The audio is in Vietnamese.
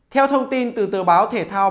theo thông tin từ tờ báo thể thao